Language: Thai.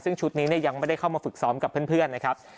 ซึ่งชุดนี้ยังไม่ได้เข้ามาฝึกซ้อมกับเพื่อนนะครับ